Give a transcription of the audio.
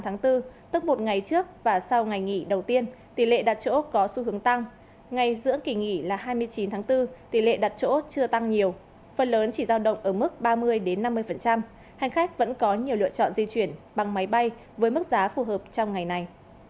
hành khách vẫn có nhiều lựa chọn di chuyển bằng máy bay với mức giá phù hợp trong ngày này